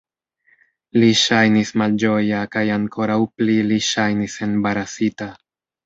Li ŝajnis malĝoja kaj ankoraŭ pli li ŝajnis embarasita.